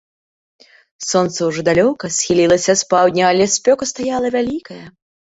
Сонца ўжо далёка схілілася з паўдня, але спёка стаяла вялікая.